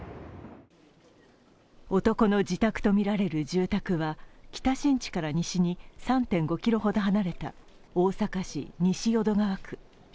男の自宅とみられる住宅は北新地から西に３．５ｋｍほど離れた大阪市西淀川区。